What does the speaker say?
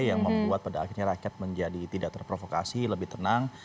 yang membuat pada akhirnya rakyat menjadi tidak terprovokasi lebih tenang